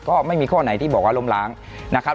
ก็ไม่มีข้อไหนที่บอกว่าล้มล้างนะครับ